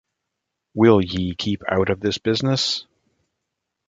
Will ye keep out of this business?